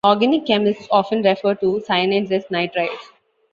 Organic chemists often refer to cyanides as nitriles.